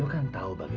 ke bukunya lagi